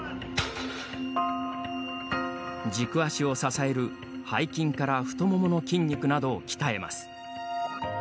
軸足を支える背筋から太ももの筋肉などを鍛えます。